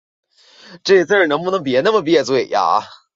氨基脲药物中呋喃西林的代谢物。